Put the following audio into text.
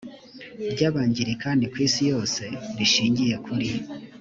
ry abangilikani ku isi yose rishingiye kuri